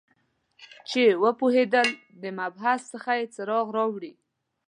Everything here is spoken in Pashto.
چې وپوهیدل د محبس څخه یې څراغ راوړي